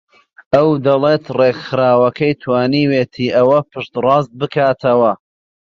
ئەو دەڵێت ڕێکخراوەکەی توانیویەتی ئەوە پشتڕاست بکاتەوە